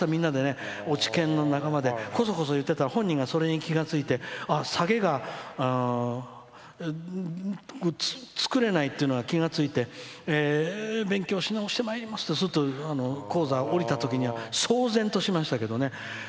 落研の仲間でこそこそ言っていたら本人がそれに気が付いて下げが作れないっていうのは気が付いて勉強しなおしてまいりますって高座を降りたときには騒然としましたけどね。